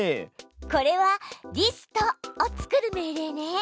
これは「リスト」を作る命令ね。